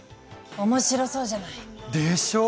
面白そうじゃない！でしょう？